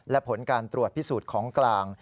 และผลการตรวจพิสูจน์ของกลาง